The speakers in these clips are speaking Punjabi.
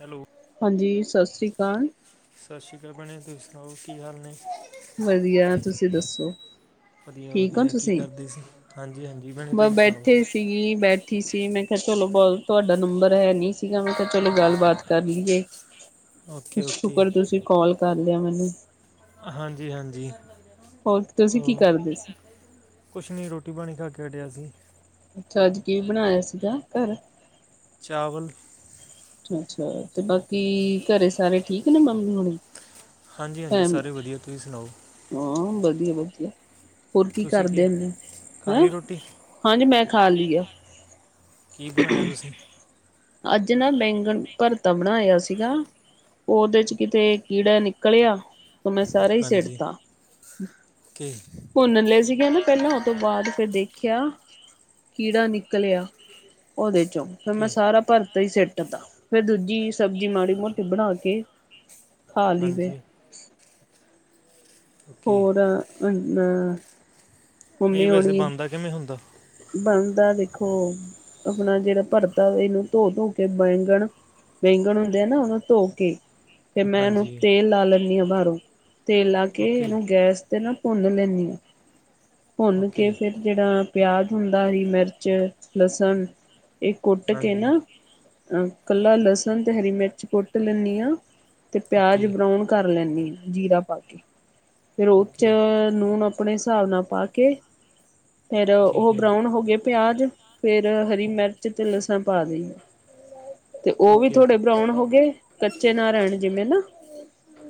ਹੈਲੋ। ਹਾਂਜੀ ਸਸ ਰੀ ਕਾਲ। ਸਸ ਰੀ ਕਾਲ ਭੈਣੇ ਤੁਸੀਂ ਸਨਾਓ ਕੀ ਹਾਲ ਨੇ? ਵਦੀਆ ਤੁਸੀਂ ਦੱਸੋ। ਠੀਕ ਹੋ ਵਦੀਆ-ਵਦੀਆ ਕੀ ਤੁਸੀਂ ਕਰਦੇ ਸੀ, ਹਾਂਜੀ-ਹਾਂਜੀ ਭੈਨੇ ਬ ਤੁਸੀਂ। ਸੁਣਾਓ ਬੈਠੇ ਸੀ ਬੈਠੀ ਸੀ ਮੈਂ ਕਿਆ ਚਲੋ ਬਹੁ ਤੁਆਡਾ ਨੰਬਰ ਹੈ ਨੀ ਸੀਗਾ ਮੈਂ ਕਿਆ ਚਲੋ ਗੱਲਬਾਤ ਕਰ ਲੀਏ। ਓਕੇ ਓਕੇ ਸ਼ੁਕਰ ਤੁਸੀਂ ਕੌਲ ਕਰ ਲਿਆ ਮੈਨੂੰ। ਹਾਂਜੀ-ਹਾਂਜੀ ਹੋਰ ਤੁਸੀਂ ਕੀ ਹੋਰ ਕਰਦੇ ਸੀ ਕੁਛ ਨੀ ਰੋਟੀ ਪਾਣੀ ਖਾ ਕੇ ਹਟੇ ਆਂ ਅਸੀਂ। ਅੱਛਾ ਅੱਜ ਕੀ ਬਨਾਏਆ ਸੀਗਾ ਘਰ। ਚਾਵਲ ਅੱਛਾ-ਅੱਛਾ ਤੇ ਬਾਕੀ ਘਰੇ ਸਾਰੇ ਠੀਕ ਨੇ ਮੰਮੀ ਹੋਨੀ। ਹਾਂਜੀ-ਹਾਂਜੀ ਸਾਰੇ ਵਦੀਆ ਤੁਸੀਂ ਸਨਾਓ ਹਾਂ ਵਦੀਆ-ਵਦੀਆ, ਹੋਰ ਕੀ ਕਰਦੇ ਹੁਨੇ ਓਂ, ਖਾ ਹੈਂ। ਲਈ ਰੋਟੀ ਹਾਂਜੀ ਮੈਂ ਖਾ ਲੀ ਐ। ਕੀ ਬਨਾਇਆ ਤੁਸੀਂ? ਅੱਜ ਨਾ ਬੈਂਗਣ ਭਰਤਾ ਬਨਾਏਆ ਸੀਗਾ। ਓਦੇ ਚ ਕਿਤੇ ਕੀੜਾ ਨਿਕਲਿਆ ਤਾਂ ਮੈਂ ਸਾਰਾ ਈ ਸਿਟਤਾ। ਕੀ ਭੁੰਨ ਲਏ ਸੀਗੇ ਨਾ ਪੈਲਾਂ ਓਤੋਂ ਬਾਦ ਫਿਰ ਦੇਖੇਆ ਕੀੜਾ ਨਿਕਲਿਆ, ਓਦੇ ਚੋਂ। ਫੇਰ ਮੈਂ ਓਕੇ ਸਾਰਾ ਭਰਤਾ ਈ ਸਿੱਟਤਾ, ਫੇਰ ਦੂਜੀ ਸਬਜ਼ੀ ਮਾੜੀ ਮੋਟੀ ਬਨਾ ਕੇ ਖਾ ਲੀ ਫੇਰ। ਹਾਂਜੀ ਓਕੇ ਹੋਰ ਅੰ ਬ ਏ ਵੈਸੇ ਬਨਦਾ ਕਿਵੇਂ ਹੁੰਦਾ ਬਨਦਾ ਦੇਖੋ ਆਪਨਾ ਜੇੜਾ ਭਰਥਾ ਵੈ ਏਨੂੰ ਧੋ ਧੂ ਕੇ ਬੈਂਗਨ ਬੈਂਂਗਨ ਹੁੰਦੇ ਆ ਨਾ ਓਨੂੰ ਧੋ ਕੇ ਤੇ ਮੈਂ ਏਨੂੰ ਹਾਂਜੀ ਤੇਲ ਲਾ ਲੈਂਨੀ ਆਂ ਬਾਰੋਂ, ਤੇਲ ਲਾ ਕੇ ਓਕੇ ਏਨੂੰ ਗੈਸ ਤੇ ਨਾ ਭੁੰਨ ਲੈਂਨੀ ਆਂ। ਭੁੰਨ ਕੇ ਓਕੇ ਫੇਰ ਜਿਹੜਾ ਪਿਆਜ ਹੁੰਦਾ ਹਰੀ ਮਿਰਚ, ਲਸਣ, ਇਹ ਕੁੱਟ ਕੇ ਹਾਂਜੀ ਨਾ, ਅਹ ਕੱਲਾ ਲਸਣ ਤੇ ਹਰੀ ਮਿਰਚ ਕੁੱਟ ਲੈਂਦੀ ਹਾਂ ਤੇ ਪਿਆਜ ਓਕੇ ਬਰਾਊਨ। ਕਰ ਲੈਂਦੀ ਹਾਂ ਜੀਰਾ ਪਾ ਕੇ, ਫੇਰ ਉਹ ਚ ਓਕੇ ਲੂਣ ਆਪਣੇ ਹਿਸਾਬ ਨਾਲ ਪਾ ਕੇ ਫੇਰ, ਠੀਕ ਉਹ ਹੈ ਬਰਾਊਨ ਹੋ ਗਏ ਪਿਆਜ। ਫੇਰ ਹਰੀ ਮਿਰਚ ਤੇ ਲਸਣ ਪਾ ਦੇਈ ਦੈ ਤੇ ਓਹ ਵੀ ਓਕੇ ਥੋੜੇ ਬਰੋਨ ਹੋਗੇ ਕੱਚੇ ਨਾ ਰੈਣ ਜਿਵੇਂ ਨਾ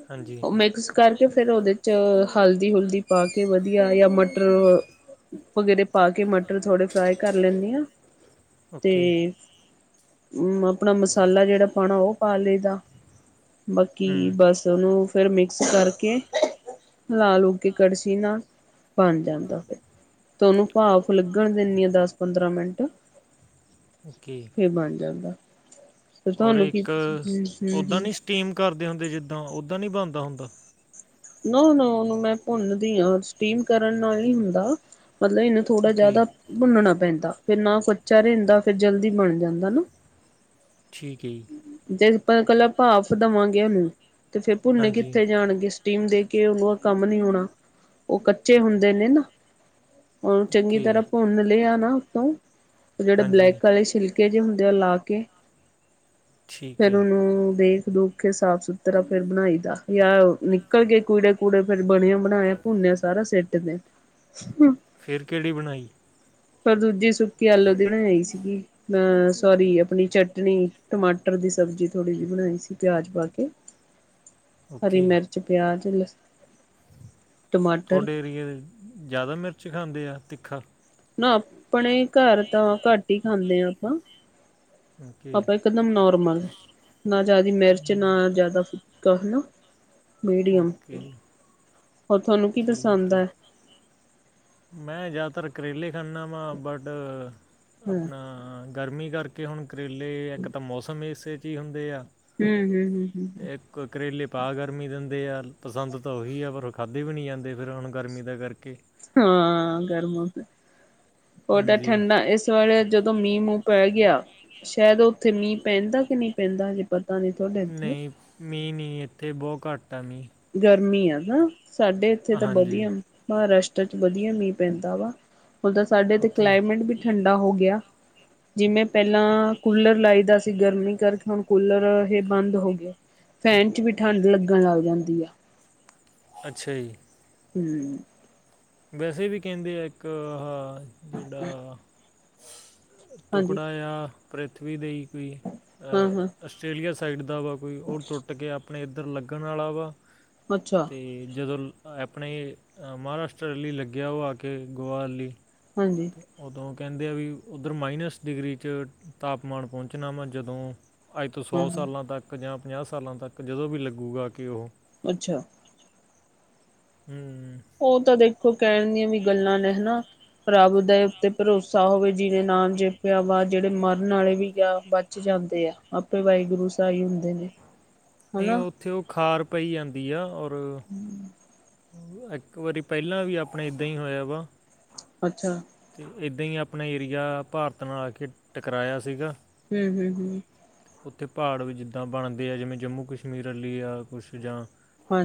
ਹਾਂਜੀ ਓਹ ਮਿਕਸ ਕਰਕੇ ਫੇਰ ਓਦੇ 'ਚ ਹਲਦੀ-ਹੁਲਦੀ ਪਾ ਕੇ ਵਧੀਆ ਯਾ ਮਟ ਟਰ ਵਗੈਰੇ ਪਾ ਕੇ ਮਟਰ ਥੋੜੇ ਫਰਾਈ ਕਰ ਲੈਂਣੀ ਆਂ। ਤੇ ਓਕੇ ਮੈ ਅਪਣਾ ਮਸਾਲਾ ਜੇੜਾ ਪਾਣਾ ਓਹ ਪਾ ਲਈਦਾ ਬਾਕੀ, ਹੂੰ ਬਸ ਤੇ ਓਨੂੰ ਫੇਰ ਮਿਕਸ ਕਰਕੇ ਨਾਲ ਓਹਦੇ ਕੜਛੀ ਨਾਲ ਬਣ ਜਾਂਦਾ ਫੇਰ। ਤੇ ਓਨੂੰ ਪਾਫ਼ ਲੱਗਣ ਦਿੰਣੀ ਆ ਦਸ-ਪੰਦਰਾਂ ਮਿੰਟ। ਓਕੇ। ਫੇਰ ਬਣ ਜਾਂਦਾ ਐ ਫੇਰ ਔਰ ਤੁਆਨੂੰ ਕੀ ਇੱਕ ਹੂੰ- ਹੂੰ, ਉੱਦਾਂ ਹੂੰ। ਨਹੀਂ ਸਟੀਮ ਕਰਦੇ ਹੋੰਦੇ ਜਿੱਦਾਂ, ਓਦਾਂ ਨੀ ਬੱਣਦਾ ਹੁੰਦਾ? ਨੋ- ਨੋ ਉਨੂੰ ਮੈਂ ਭੁੰਨਦੀ ਆਂ, ਸਟੀਮ ਕਰਨ ਨਾਲ ਨੀ ਹੁੰਦਾ ਮਤਲਬ ਇਹਨੁ ਥੋੜਾ ਓਕੇ ਜੈਦਾ ਬੁੰਨਣਾ ਪੈਂਦਾ ਫੇਰ ਨਾ ਕੁੱਚਾ ਰੈੰਦਾ ਫੇਰ ਜਲਦੀ ਬਣ ਜਾਂਦਾ ਨਾ। ਠੀਕ, ਹੈ ਜੀ ਜੇ ਅਪਾਂ ਕੱਲਾ ਪਾਫ਼ ਦੇਵਾਂਗੇ ਓਨੂੰ ਤੇ ਫੇਰ ਭੁੰਨੇ ਹਾਂਜੀ ਕਿੱਥੇ ਜਾਣਗੇ। ਸਟੀਮ ਦੇ ਕੇ ਓਨੂੰ ਓ ਕੰਮ ਨੀ ਹੋਣਾ ਓਹ ਕੱਚੇ ਹੁੰਦੇ ਨੇ ਨਾ। ਓਨੂੰ ਚੰਗੀ ਓਕੇ ਤਰਾਂ ਭੁੰਨ ਲਿਆ ਨਾ ਆਪਾਂ। ਓਹ ਜੇੜੇ ਹਾਂਜੀ ਬਲੈਕ ਆਲੇ ਛਿਲਕੇ ਜੇ ਹੁੰਦੇ ਆ, ਲਾ ਕੇ ਠੀਕ ਫੇਰ ਹੈ ਓਨੂੰ ਦੇਖ-ਦੂਖ ਕੇ ਸਾਫ-ਸੁਥਰਾ ਫੇਰ ਬਣਾਈ ਦਾ ਯਾ ਨਿ ਕੂੜੇ- ਕੂੜੇ ਫੇਰ ਬਣਿਆ ਬਣਾਇਆ ਭੁੰਨਿਆ ਸਾਰਾ ਸਿੱਟਦੇ। ਫੇਰ ਕੇੜੀ ਬਣਾਈ? ਫੇਰ ਦੂਜੀ ਸੁੱਕੀ ਆਲੋ ਦੀ ਬਣਾਈ ਸੀਗੀ। ਅ ਸਾਰੀ ਅਪਣੀ ਚਟਨੀ, ਟਮਾਟਰ ਦੀ ਸਬਜ਼ੀ ਥੋੜੀ ਜੀ ਬਣਾਈ ਸੀ ਪਿਆਜ ਪਾ ਕੇ। [inaudible] ਹਰੀ ਮਿਰਚ, ਪਿਆਜ਼, ਲ ਥੋਡੇ ਏਰੀਏ ਦੇ ਜੈਦਾ ਮਿਰਚ ਖਾਂਦੇ ਆ ਤਿੱਖਾ? ਨਾ ਆਪਣੇ ਘਰ ਤਾਂ ਘੱਟ ਹੀ ਖਾਂਦੇ ਆ ਆਪਾਂ। ਓਕੇ। ਆਪਾਂ ਇਕਦਮ ਨੋਰਮਲ ਨਾ ਜਾਦੀ ਮਿਰਚ ਨਾ ਜਾਦਾ ਫਿੱਕਾ ਹਨਾ। ਮੀਡੀਅਮ ਓਕੇ ਹੋਰ, ਥੋਨੂੰ ਕੀ ਠੀਕ ਪਸੰਦ ਹੈ ਆ? ਮੈਂ ਜਾਦਾਤਰ ਕਰੇਲੇ ਖਾਂਣਾ ਵਾ ਬਟ ਹਾਂ ਅਪਣਾ ਗਰਮੀ ਕਰਕ ਕੇ ਹੁਣ ਕਰੇਲੇ ਇੱਕ ਤਾਂ ਮੌਸਮ ਏਸੇ 'ਚ ਹੀ ਹੁੰਦਾ ਆ। ਹੂੰ- ਹੂੰ, ਹੂੰ-ਹੂੰ, ਹੂੰ। ਤੇ ਕ ਕਰੇਲੇ ਤਾਂ ਗਰਮੀ ਦਿੰਦੇ ਆ, ਪਸੰਦ ਤਾਂ ਓਹੀ ਐ ਪਰ ਓਹ ਖਾਧੇ ਵੀ ਨੀ ਜਾਂਦੇ ਫੇਰ ਹੁਣ ਗਰਮੀ ਦਾ ਕਰਕੇ। ਹਾਂ, ਗਰਮ ਹੋੰਦੇ, ਔਤਾਂ ਹਾਂਜੀ ਠੰਡਾ ਏਸ ਥੋੜਾ ਜਦੋਂ ਮੀਂਹ-ਮੂੰਹ ਪੈ ਗਿਆ, ਸੈ਼ਦ ਉੱਥੇ ਮੀਂਹ ਪੈਂਦਾ ਕਿ ਨਹੀਂ ਪੈਂਦਾ ਹਜੇ। ਪਤਾ ਨੀ ਤੁਹਾਡੇ ਇੱਥੇ ਨਹੀਂ ਮੀਂ ਨੀ ਇੱਥੇ ਬੌਹ ਘੱਟ ਆ ਮੀਂਹ। ਗਰਮੀ ਆ ਹੂੰ, ਸਾਡੇ ਇੱਥੇ ਤਾਂ ਹਾਂਜੀ ਬਧੀਆ। ਮਹਾਰਾਸ਼ਟਰਾ ਚ ਵਧੀਆ ਮੀਂਹ ਪੈਂਦਾ ਵਾ ਉਦਾਂ ਤਾਂ ਸਾਡੇ ਐਥੇ ਓਕੇ ਕਲਾਈਮੇਟ ਵੀ ਠੰਡਾ ਹੋ ਗਿਆ ਜਿਮੇਂ ਪੈਲਾਂ ਕੂਲਰ ਲਾਈ ਦਾ ਸੀ ਗਰਮੀ ਕਰਕੇ ਹੁਣ ਕੂਲਰ ਹੇ ਬੰਦ ਹੋ ਗਏ ਫੈਨ ਚ ਵੀ ਠੰਢ ਲੱਗਣ ਲੱਗ ਜਾਂਦੀ ਆ। ਅੱਛਾ ਜੀ। ਹੂੰ,,, ਵੈਸੇ ਵੀ ਕੈੰਦੇ ਐ ਇੱਕ ਆਹ ਜੇੜਾ ਹਾਂਜੀ ਟੁਕੜਾ ਯਾ ਪ੍ਰਿਥਵੀ ਦੇ ਈ ਕੋਈ ਹਾਂ ਆ ਹਾਂ ਅਸਟ੍ਰੇਲੀਆ ਸਾਈਡ ਦਾ ਵਾ ਕੋਈ ਉਹ ਟੁੱਟ ਕੇ ਆਪਣੇ ਇੱਧਰ ਲੱਗਣ ਵਾ। ਅੱਛਾ। ਤੇ ਜਦੋਂ ਆਪਣੇ ਮਹਾਰਾਸ਼ਟਰ ਲਈ ਲੱਗਿਆ ਵਾ ਕੇ ਗੋਆ ਲੀ। ਹਾਂਜੀ ਓਦੌਂ ਕਹਿੰਦੇ ਆ ਵੀ ਉੱਧਰ ਮਾਈਨਸ ਡਿਗਰੀ 'ਚ ਤਾਪਮਾਨ ਪਹੁੰਚਣਾ ਵਾ ਜਦੋਂ ਅੱਜ ਤੋਂ ਹਾਂ ਸੌ ਹਾਂ ਸਾਲਾਂ ਤੱਕ ਜਾਂ ਪੰਜਾਹ ਸਾਲਾਂ ਤੱਕ ਜਦੋਂ ਵੀ ਲੱਗੂਗਾ ਕਿ ਉਹ ਅੱਛਾ। ਹੂੰ,,, ਓਹ ਤਾਂ ਦੇਖੋ ਕਹਿਣ ਦੀਆਂ ਵੀ ਗੱਲਾਂ ਨੇ ਹਣਾ ਰੱਬ ਦੇ ਉੱਤੇ ਭਰੋਸਾ ਹੋਵੇ। ਜਿੰਨੇ ਨਾਮ ਜਪਿਆ ਵਾਜ ਜਿਹੜੇ ਮਰਨ ਵਾਲੇ ਵੀ ਆ ਬਚ ਜਾਂਦੇ ਆ ਆਪੇ ਵਾਹਿਗੁਰੂ ਸਾਹੀ ਹੁੰਦੇ ਨੇ। ਨਹੀਂ ਹਨਾ ਉੱਥੇ ਉਹ ਖਾਰ ਪਈ ਜਾਂਦੀ ਆ ਔਰ। ਇੱਕ ਵਾਰੀ ਪਹਿਲਾਂ ਵੀ ਆਪਣੇ ਏਦਾਂ ਹੀ ਹੋਇਆ ਵਾ। ਅੱਛਾ। ਤੇ ਏਦੇ ਹੀ ਆਪਣਾ ਏਰੀਆ ਭਾਰਤ ਨਾਲ ਆ ਕੇ ਟਕਰਾਇਆ ਸੀਗਾ। ਹੂੰ-ਹੂੰ-ਹੂੰ ਉੱਥੇ ਪਹਾੜ ਵੀ ਜਿੱਦਾਂ ਬਣਦੇ ਆ ਜਿਵੇਂ ਜੰਮੂ ਕਸ਼ਮੀਰ ਵਾਲੀ ਆ ਕੁਛ ਜਾਂ।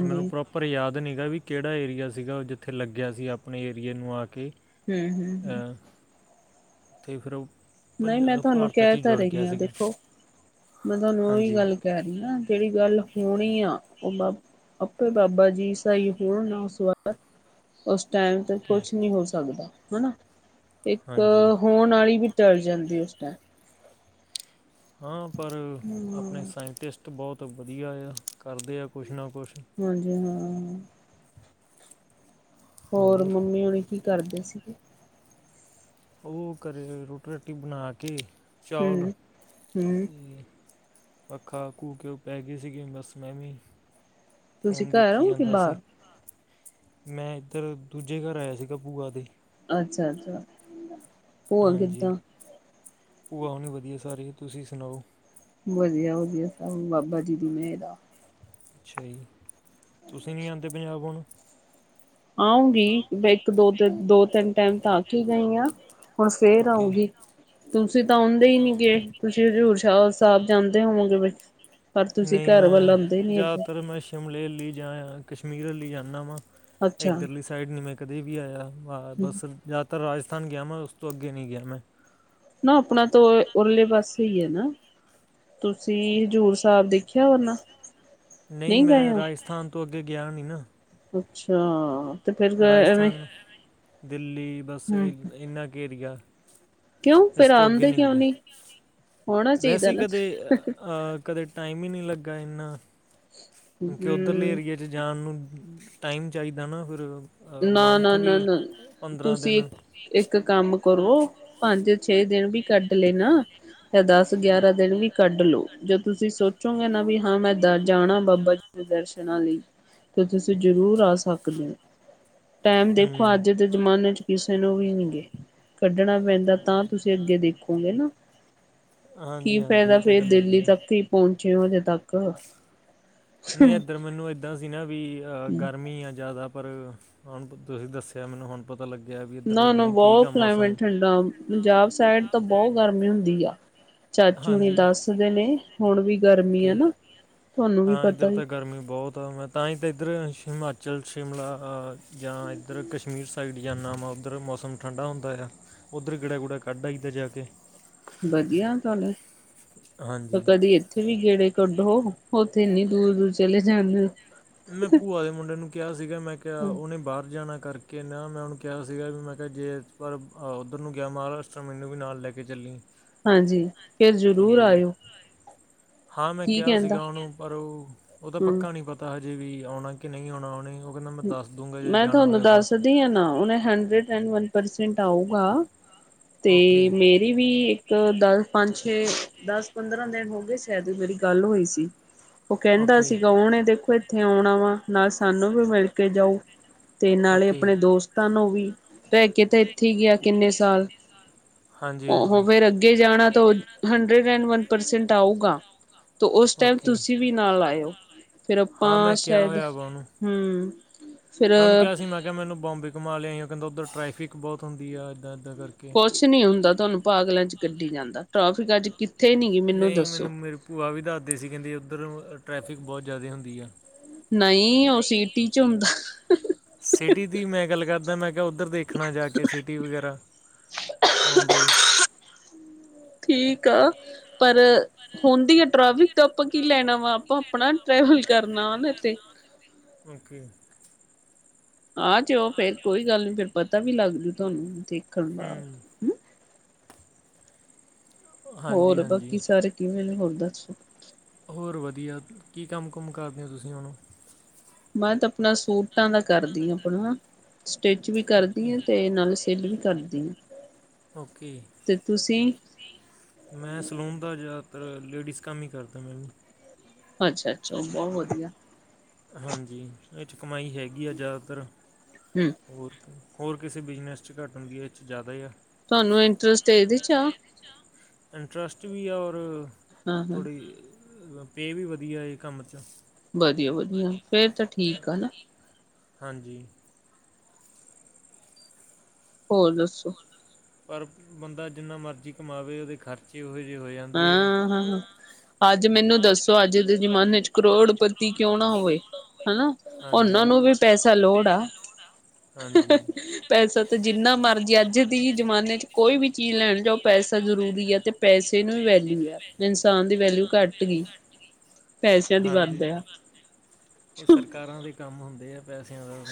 ਮੈਨੂੰ ਪ੍ਰੋਪਰ ਯਾਦ ਤਾ ਨੀਂ ਗਾ ਵੀ ਕਿਹੜਾ ਏਰੀਆ ਸੀਗਾ ਉਹ ਜਿੱਥੇ ਲੱਗਿਆ ਸੀ ਆਪਣੇ ਏਰੀਏ ਨੂੰ ਆ ਕੇ। ਹੂੰ ਹੂੰ ਹੂੰ [unintelligible] ਤੇ ਫਿਰ ਓ ਨਹੀਂ ਮੈਂ ਤੁਹਾਨੂੰ ਕਿਆ ਤਾਂ ਰਹੀ ਹਾਂ ਦੇਖੋ ਮੈਂ ਤੁਹਾਨੂੰ ਉਹੀ ਹਾਂਜੀ ਗੱਲ ਕਹਿ ਰਹੀ ਹਾਂ ਜਿਹੜੀ ਗੱਲ ਹੋਣੀ ਆ ਉਹ ਬਾ। ਆਪੇ ਬਾਬਾ ਜੀ ਸਹੀ ਹੋਣ ਨਾ ਸੁਣਨ ਉਸ ਟਾਈਮ ਤੇ ਅਤੇ ਕੁਛ ਨਹੀਂ ਹੋ ਸਕਦਾ ਹਨਾ। ਇੱਕ ਹਾਂਜੀ ਹੋਣ ਆਲੀ ਵੀ ਟੱਲ ਜਾਂਦੀ ਉਸ ਟਾਈਮ। ਹਾਂ ਪਰ ਆਪਣੇ ਹੂੰ ਸਾਇੰਟਿਸਟ ਬਹੁਤ ਵਧੀਆ ਯਾ ਕਰਦੇ ਆ ਕੁਛ ਨਾ ਕੁਛ। ਹਾਂਜੀ, ਹਾਂ ਹਾਂ ਹਾਂ ਹਾਂ। ਹੋਰ ਮੰਮੀ ਹੋਣੀ ਕੀ ਕਰਦੇ ਸੀਗੇ? ਉਹ, ਘਰੇ ਰੋਟੀ-ਰਾਟੀ ਬਣਾ ਕੇ। ਚੌਲ ਹੂੰ ਹੂੰ ਤੇ ਪੱਖਾ ਖੂ ਕੇ ਉਹ ਪੈ ਗਏ ਸੀਗੇ ਬਸ ਮੈਂ ਵੀ ਤੁਸੀਂ ਫੋਨ ਘਰ ਦੇਖੀ ਹੋ ਕਿ ਜਾਂਦਾ ਬਾਹਰ? ਸੀ। ਮੈਂ ਇੱਧਰ ਦੂਜੇ ਘਰ ਆਇਆ ਸੀਗਾ ਭੂਆ ਦੇ। ਅੱਛਾ-ਅੱਛਾ। ਹਾਂਜੀ, ਭੂਆ ਹੁਣੇ ਵਧੀਆ ਸਾਰੇ ਤੁਸੀਂ ਸੁਣਾਓ? ਵਧੀਆ-ਵਧੀਆ, ਸਭ ਬਾਬਾ ਜੀ ਦੀ ਮੇਹਰ ਆ। ਅੱਛਾ ਜੀ ਤੁਸੀਂ ਨਹੀਂ ਆਂਦੇ ਪੰਜਾਬ ਹੁਣ? ਆਉਂਗੀ, ਮੈਂ ਇੱਕ ਦੋ ਤਿੰਨ-ਦੋ ਤਿੰਨ। ਟਾਈਮ ਥੱਕ ਗਈ ਹਾਂ, ਹੁਣ ਫਿਰ ਓਕੇ ਆਊਂਗੀ। ਤੁਸੀਂ ਤਾਂ ਆਉਂਦੇ ਈ ਨੀ ਗੇ, ਤੁਸੀਂ ਹਜ਼ੂਰ ਸ਼ਾਹ ਸਾਅਬ ਜਾਂਦੇ ਹੋਵੋਗੇ ਬਚ ਨਈ ਮੈਂ, ਜਆਦਾ ਤਰ ਮੈਂ ਸ਼ ਏ ਸ਼ਿਮਲੇ ਅੱਲ ਈ ਜਾਂ ਯਾਂ, ਕਸ਼ਮੀਰ ਅੱਲ ਈ ਜਾਨਾ ਵਾਂ, ਅੱਛਾ। ਇੱਧਰਲੀ ਸਾਈਡ ਨਹੀਂ ਮੈਂ ਕਦੇ ਵੀ ਆਯਾ। ਹਾ, ਬਸ ਜ਼ਿਆਦਾਤਰ ਰਾਜਸਥਾਨ ਗਿਆ ਮਾਂ ਉਸ ਤੋਂ ਅੱਗੇ ਨੀ ਗਿਆ ਮੈਂ। ਨਾ ਆਪਣਾ ਤੋਂ ਓਏ ਓਰਲੀ ਬਸ। ਸਹੀ ਐ ਨਾ, ਤੁਸੀਂ ਹਜ਼ੂਰ ਸਾਅਬ ਦੇਖਿਆ ਹੋਨਾ? ਨਈ ਨਹੀਂ ਗਏ ਮੈਂ ਹੋ? ਰਾਜਸਥਾਨ ਤੋਂ ਅੱਗੇ ਗਿਆ ਨੀ ਨਾ। ਅੱਛਾ ਤੇ ਫਿਰ ਐਵੇਂ ਰਾਜਸਥਾਨ, ਦਿੱਲੀ ਬਸ ਇ ਹਮ ਇਨਾ ਕ ਏਰੀਆ। ਕਿਉਂ ਇਸ ਫਿਰ ਤੋਂ ਅੱਗੇ ਆਂਦੇ ਨਹੀਂ ਕਿਉਂ ਗੇਆ, ਨੀ ਹੋਣਾ ਵੈਸੇ ਚਾਹੀਦਾ ਹੀ ਨਾ ਕਦੇ, ਆਹ ਕਦੇ ਟਾਈਮ ਈ ਨਿ ਲਗਾ ਏਨਾ, ਓਦਰਲੇ ਹਮ ਏਰੀਏ ਜੇ ਜਾਣ ਨੂੰ, ਟਾਈਮ ਚਾਈਦਾ ਨਾ ਫਿਰ ਅ ਨਾ ਮੰਨਥ ਨਾ ਵੀ ਨਾ ਨਾ ਪੰਦਰਾਂ ਤੁਸੀਂ ਦਿਨ ਤੁਸੀ। ਇੱਕ ਕੰਮ ਕਰੋ, ਪੰਜ ਛੇ ਦਿਨ ਵੀ ਕੱਢ ਲੇ ਨਾਂ ਤੇ ਦਸ ਗਿਆਰਾਂ ਦਿਨ ਵੀ ਕੱਢ ਲੋੋ, ਜੋ ਤੁਸੀਂ ਸੋ ਚੁੰਗੇ ਨਾ ਵੀ ਹਾਂ ਮੈਂ ਦਰ ਜਾਣਾ ਬਾਬਾ ਜੀ ਦੇ ਦਰਸ਼ਨਾਂ ਲਈ। ਤੇ ਤੁਸੀਂ ਜ਼ਰੂਰ ਆ ਸਕਦੇ ਓ। ਟੈਮ ਦੇਖੋ ਹੂੰ ਅੱਜ ਦੇ ਜ਼ਮਾਨੇ ਚ ਕਿਸੇ ਨੂੰ ਵੀ ਨੀ ਗੇ। ਕੱਢਣਾ ਪੈਂਦਾ ਤਾਂ ਤੁਸੀਂ ਅੱਗੇ ਦੇਖੋਗੇ ਨਾ। ਕੀ ਹਾਂਜੀ ਹਾਂਜੀ ਫੈਦਾ ਇਹ ਤਾਂ ਫੇਰ ਗੱਲ ਦਿੱਲੀ ਹੈਗੀ ਆ ਤੱਕ ਈ ਪੌਂਚੇ ਓ ਹਜੇ ਤੱਕ। ਨਈ ਏਧਰ ਮੈਨੂੰ ਏਦਾਂ ਸੀ ਨਾ ਵੀ ਅ ਗਰਮੀ ਆ ਜਾਦਾ ਪਰ ਹੁਣ [unintelligible] ਤੁਸੀਂ ਦੱਸ ਆ ਮੈਨੂੰ ਹੁਣ ਪਤਾ ਲੱਗਿਆ ਵੀ ਇੱਧਰ ਨਾ ਨਾ ਨਈ ਠੀਕ ਆ ਬਹੁਤ ਮੌਸਮ। ਕਲਾਈਮੇਟ ਠੰਡਾ ਪੰਜਾਬ ਸਾਈਡ ਤਾਂ ਬੋ ਗਰਮੀ ਹੁੰਦੀ ਆ। ਚਾਚੂ ਉਣੀ ਹਾਂਜੀ ਦੱਸਦੇ ਨੇ ਹੁਣ ਵੀ ਗਰਮੀ ਆ ਓਕੇ ਨਾ ਤੁਆਨੂੰ ਵੀ ਹਾਂ ਪਤਾ ਇੱਧਰ ਐ। ਤਾਂ ਗਰਮੀ ਬੋਤ ਮੈਂ ਤਾਂਈ ਤਾਂ ਇੱਧਰ ਹਿਮਾਚਲ, ਸ਼ਿਮਲਾ ਜਾਂ ਇੱਧਰ ਕਸ਼ਮੀਰ ਸਾਈਡ ਜਾਂਨਾ ਵਾ ਉੱਧਰ ਮੌਸਮ ਮੌਸਮ ਠੰਡਾ ਹੁੰਦਾ ਆ ਓਧਰ ਗੇੜਾ ਗੁੜਾ ਕੱਢ ਆਈਦਾ ਜਾ ਕੇ। ਵਧੀਆ ਤੁਆਨੁ ਪਰ [unintelligible] ਹਾਂਜੀ ਕਦੀ ਏਥੇ ਵੀ ਗੇੜੇ ਕੱਢੋ ਓਥੇ ਏਨੀ ਦੂਰ-ਦੂਰ ਚਲੇ ਜਾਂਨੇ ਓ। ਮੈਂ ਭੂਆ ਦੇ ਮੁੰਡੇ ਨੂੰ ਕਿਆ ਸੀਗਾ ਮੈਂ ਕਿਆ ਹੋ। ਓਨੇ ਬਾਰ ਜਾਣਾ ਕਰ ਕੇ ਕੇ ਨਾ ਮੈਂ ਓਨੂੰ ਕਿਆ ਸੀਗਾ ਵੀ ਮੈਂ ਕਿਆ ਜੇ ਪਰ ਓਧਰ ਨੂੰ ਗਿਆ ਮਹਾਰਾਸ਼ਟਰ ਮੈਨੂੰ ਵੀ ਨਾਲ ਲੈ ਕੇ ਚੱਲੀ। ਹਾਂਜੀ ਫੇਰ ਜ਼ਰੂਰ ਅਤੇ ਆਇਓ। ਹਾਂ ਮੈਂ ਕੀ ਕਿਆ ਕਹਿੰਦਾ ਸੀਗਾ ਓਨੂੰ ਪਰ ਓ ਓਦਾ ਹੂੰ। ਪੱਕਾ ਨੀ ਪਤਾ ਹਜੇ ਵੀ ਆਓਣਾ ਕਿ ਨਈ ਆਓਣਾ ਓਨੇ। ਕੋਈ ਨਾ ਮੈਂ ਦੱਸ ਦੂਗਾ ਜੇ ਜਾਣਾ ਹੋਇਆ ਤਾਂ। ਤੇ ਯਾਂ ਨਾ ਓਨੇ ਹੰਡਰਡ ਐਨ ਵਨ ਪਰਸੈਂਟ ਆਊਗਾ ਤੇ ਓਕੇ ਮੇ ਰੀ ਵੀ ਇੱਕ ਦਸ, ਪੰਜ, ਛੇ ਦਸ, ਪੰਦਰਾਂ ਦਿਨ ਹੋਗੇ ਸ਼ੈਦ ਓ ਮੇਰੀ ਗੱਲ ਹੋਈ ਸੀ। [inaudible] ਓ ਕੇਂਦਾ ਓਕੇ ਸੀਗਾ ਓਣੇ ਦੇਖੋ ਏਥੇ ਆਓਣਾ ਵਾ ਨਾਲ ਸਾਨੂੰ ਵੀ ਮਿਲ ਕੇ ਜਾਊ। ਤੇ ਨਾਲੇ ਆਪਣੇ ਓਕੇ ਦੋਸ ਤਾਂ ਨੂੰ ਵੀ ਭੈ ਕੇ ਤਾਂ ਇੱਥੇ ਈ ਗਿਆ ਕਿੰਨੇ ਸਾਲ ਹਾਂਜੀ ਓਹ ਹਾਂਜੀ ਫੇਰ ਅੱਗੇ ਜਾਣਾ ਤਾਂ ਹੰਡਰਡ ਐਂਨ ਵਨ ਪਰਸੈਂਟ ਆਊਗਾ ਤੋ ਓਸ ਟੈਮ ਓਕੇ ਉਸ ਤੁਸੀਂ ਵੀ ਨਾਲ ਆਇਓ। ਫੇਰ ਹਾਂ ਆਪਾਂ ਮੈਂ ਕਿਹਾ ਸ਼ੈਦ ਹੋਇਆ ਵਾ ਉਹਨੂੰ ਹੂੰ। ਫਿਰ ਮੈਂ ਉਂਨੂੰ ਕਿਆ ਸੀ ਮੈਂ ਕਿਆ ਮੈਨੂੰ ਬੋਂਬੇ ਘਮਾ ਲਿਆਈ ਓ ਕੇਂਦਾ ਉੱਧਰ ਟਰੈਫਿਕ ਬੋਤ ਹੁੰਦੀ ਆ ਇੱਦਾਂ-ਇੱਦਾ ਕਰਕੇ। ਕੁੱਛ ਨੀ ਹੁੰਦਾ ਤੁਆਨੂੰ ਪਾਗਲਾਂ ਚ ਕੱਢੀ ਜਾਂਦਾ ਟ੍ਰੈਫਿਕ ਅੱਜ ਕਿੱਥੇ ਨੀ ਗੀ ਮੈਨੂੰ ਨਹੀਂ ਦੱਸੋ ਮੇਰੀ ਭੂਆ ਵੀ ਦੱਹਦੀ ਸੀ ਕੈਂਦੀ ਉੱਧਰ ਟਰੈਫਿਕ ਬੋਤ ਜਾਦੇ ਹੁੰਦੀ ਆ। ਨਈ ਓ ਸੀਟੀ ਚ ਹੁੰਦਾ। ਸਿਟੀ ਦੀ ਮੈਂ ਗੱਲ ਕਰਦਾ ਮੈਂ ਕਿਆ ਉੱਧਰ ਦੇਖਣਾ ਜਾ ਕੇ ਸਿਟੀ ਵਗੈਰਾ। ਮੁੰਬਈ। ਠੀਕ ਆ ਪਰ ਹੁੰਦੀ ਆ ਟ੍ਰੈਫਿਕ ਤਾਂ ਆਪਾਂ ਕੀ ਲੈਣਾ ਵਾ, ਆਪਾਂ ਆਪਣਾ ਟਰੈਵਲ ਕਰਨਾ ਔ ਨੇ ਤੇ ਓਕੇ। ਆ ਚਲੋ ਫੇਰ ਕੋਈ ਗੱਲ ਨੀ ਫੇਰ ਪਤਾ ਵੀ ਲੱਗ ਜੂ ਤੁਹਾਨੂੰ ਦੇਖਣ ਦਾ। ਹੂੰ ਹਾਂਜੀ ਹੋਰ ਹਾਂਜੀ ਬਾਕੀ ਸਾਰੇ ਕਿਵੇਂ ਨੇ ਹੋਰ ਦੱਸੋ? ਹੋਰ ਵਧੀਆ ਕੀ ਕੰਮ ਕੁਮ ਕਰਦੇ ਓ ਤੁਸੀਂ ਹੁਣ? ਮੈਂ ਤਾਂ ਆਪਣਾ ਸੂਟਾਂ ਦਾ ਕਰਦੀ ਆ ਆਪਣਾ ਨਾ, ਸਟਿਚ ਵੀ ਕਰਦੀ ਓਕੇ ਆ ਤੇ ਨਾਲੇ ਸੇਲ ਵੀ ਕਰਦੀ ਆ। ਓਕੇ। ਤੇ ਤੁਸੀਂ? ਤੁਸੀ? ਮੈਂ ਸਲੂਨ ਦਾ ਜਾਦਾਤਰ ਲੇਡੀਜ਼ ਕੰਮ ਈ ਕਰਦਾ ਮੈਂ ਵੀ। ਅੱਛਾ-ਅੱਛਾ ਬੋ ਵਧੀਆ। ਹਾਂਜੀ ਏ ਚ ਕਮਾਈ ਹੈਗੀ ਆ ਜਾਦਾਤਰ। ਹੂ ਹੋਰ-ਹੋਰ ਕਿਸੇ ਬਿਜ਼ਨਸ ਚ ਘੱਟ ਹੁੰਦੀ, ਏ ਚ ਜਾਦਾ ਏ ਆ। ਤੁਹਾਨੂੰ ਇੰਟਰਸਟ ਏਦੇ ਚ ਆ? ਇੰਟਰਟਰਸਟ ਵੀ ਆ ਔਰ ਹਾਂ ਹਾਂ ਥੋੜ੍ਹੀ ਪੇ ਵੀ ਵਧੀਆ ਇਹ ਕੰਮ ਚ ਵਧੀਆ ਵਧੀਆ ਫੇਰ ਤਾਂ ਠੀਕ ਆ ਨਾ ਹਾਂਜੀ ਹੋਰ ਦੱਸੋ ਪਰ ਬੰਦਾ ਜਿੰਨਾ ਮਰਜ਼ੀ ਕਮਾਵੇ ਉਹਦੇ ਖਰਚੇ ਉਹੋ ਜਿਹੇ ਹੋ ਜਾਂਦੇ ਆ ਹਾਂ ਹਾਂ ਹਾਂ ਅੱਜ ਮੈਨੂੰ ਦੱਸੋ ਅੱਜ ਦੇ ਜ਼ਮਾਨੇ ਚ ਕਰੋੜ ਪ੍ਰਤੀ ਕਿਉਂ ਨਾ ਹੋਵੇ ਹੈ ਨਾ, ਉਹਨਾਂ ਹਾਂਜੀ ਨੂੰ ਵੀ ਪੈਸਾ ਲੋੜ ਆ ਹਾਂਜੀ ਪੈਸਾ ਤੇ ਜਿੰਨਾ ਮਰਜ਼ੀ ਅੱਜ ਏ ਜ਼ਮਾਨੇ ਚ ਕੋਈ ਵੀ ਚੀਜ਼ ਲੈਣ ਜਾਓ ਪੈਸਾ ਜ਼ਰੂਰੀ ਹੈ ਤੇ ਪੈਸੇ ਇੰਨਾ ਵੀ ਵੈਲਿਊ ਆ, ਇਨਸਾਨ ਦੀ ਵੈਲਿਊ ਘੱਟ ਗਈ ਪੈਸਿਆਂ ਦੀ ਵੱਧ ਹਾਂਜੀ ਆ ਇਹ ਸਰਕਾਰਾਂ ਦੇ ਕੰਮ ਹੁੰਦੇ ਆ ਪੈਸਿਆਂ ਦਾ,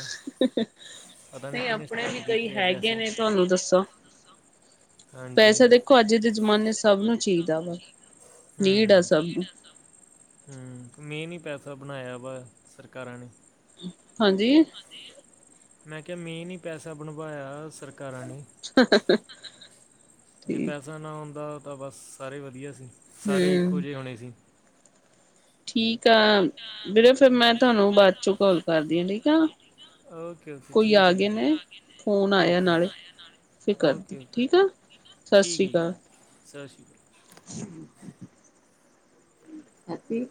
ਪਤਾ ਨੀ ਨਹੀਂ ਕਿਹਨੇ ਆਪਣੇ ਸਟਾਰਟ ਵੀ ਕਈ ਕੀਤੇ ਆ ਹੈਗੇ ਪੈਸੇ ਨੇ ਤੁਹਾਨੂੰ ਦੱਸਾਂ ਦੱਸੋ ਹਾਂਜੀ ਪੈਸਾ ਦੇਖੋ ਅੱਜ ਪ ਦੇ ਜ਼ਮਾਨੇ ਸਭ ਨੂੰ ਚਾਹੀਦਾ ਵਾ ਨੀਡ ਆ ਸਭ ਨੂੰ ਹੂ ਐਵੇ ਨਹੀਂ ਪੈਸਾ ਬਣਾਇਆ ਵਾ ਸਰਕਾਰਾਂ ਨੇ ਹਾਂਜੀ ਮੈਂ ਕਿਹਾ ਮੀਂਨ ਹੀ ਪੈਸਾ ਬਣਵਾਇਆ ਸਰਕਾਰਾਂ ਨੇ [unintelligible] ਜੇ ਪੈਸਾ ਨਾ ਆਉਂਦਾ ਤਾਂ ਬਸ ਸਾਰੇ ਵਧੀਆ ਸੀ, ਸਾਰੇ ਹਮ ਇੱਕੋ ਜਿਹੇ ਹੋਣੇ ਸੀ ਠੀਕ ਆ ਵੀਰੇ ਫੇਰ ਮੈਂ ਤੁਹਾਨੂੰ ਬਾਅਦ ਚੋਂ ਕਾਲ ਕਰਦੀ ਹਾਂ, ਠੀਕ ਆ ਓਕੇ ਓਕੇ ਕੋਈ ਠੀਕ ਆ ਹੈ ਜੀ ਗਏ ਨੇ ਫੋਨ ਆਇਆ ਓਕੇ ਓਕੇ ਨਾਲੇ ਫਿਰ ਕਰਦੀ ਓਕੇ ਠੀਕ ਆ ਸਤਿ ਠੀਕ ਹੈ ਜੀ ਸਤਿ ਸ਼੍ਰੀ ਅਕਾਲ ਹੈਪੀ